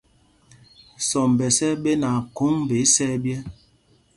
Sɔmbɛs ɛ́ ɛ́ ɓenaa khôŋ ɓɛ isɛ̄ɛ̄ ɓyɛ̄.